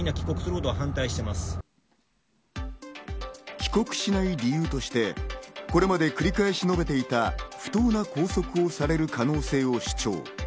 帰国しない理由として、これまで繰り返し述べていた、不当な拘束をされる可能性を主張。